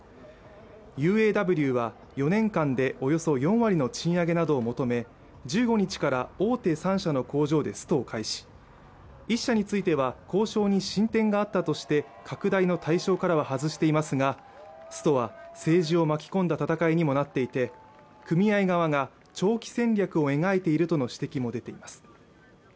ＵＡＷは４年間でおよそ４割の賃上げなどを求め１５日から大手３社の工場でストを開始１社については交渉に進展があったとして拡大の対象からは外していますがストは政治を巻き込んだ戦いにもなっていて組合側が長期戦略を描いているとの指摘も出ています